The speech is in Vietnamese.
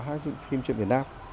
hác truyện việt nam